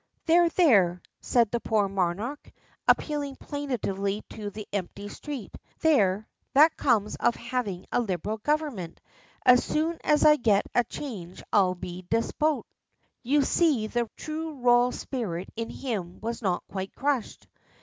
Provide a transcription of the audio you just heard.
"There, there!" said the poor monarch, appealing plaintively to the empty street; "there, that comes of having a Liberal Government; as soon as I get a change I'll be a despot." You see the true royal spirit in him was not quite crushed.